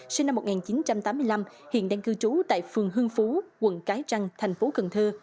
sinh năm một nghìn chín trăm tám mươi năm hiện đang cư trú tại phường hương phú quận cái trăng thành phố cần thơ